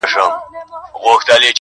د يو سري مار خوراك يوه مړۍ وه.!